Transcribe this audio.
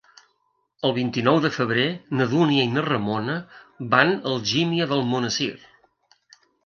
El vint-i-nou de febrer na Dúnia i na Ramona van a Algímia d'Almonesir.